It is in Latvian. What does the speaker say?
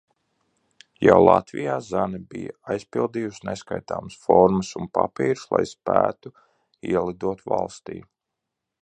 Jau Latvijā Zane bija aizpildījusi neskaitāmas formas un papīrus, lai spētu ielidot valstī.